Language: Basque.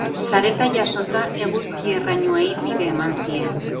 Sareta jasota, eguzki-errainuei bide eman zien.